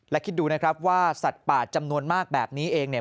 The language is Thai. และคิดดูนะครับว่าสัตว์ป่าจำนวนมากแบบนี้เองเนี่ย